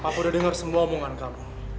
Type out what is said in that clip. papa udah denger semua omongan kamu